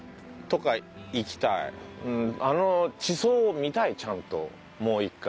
あの地層を見たいちゃんともう一回。